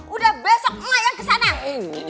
udah besok emak yang kesana